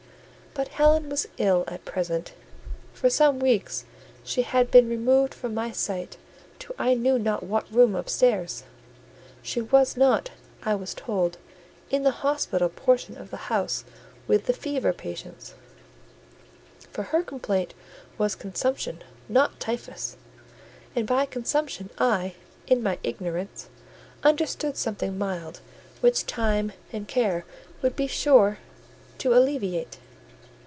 But Helen was ill at present: for some weeks she had been removed from my sight to I knew not what room upstairs. She was not, I was told, in the hospital portion of the house with the fever patients; for her complaint was consumption, not typhus: and by consumption I, in my ignorance, understood something mild, which time and care would be sure to alleviate.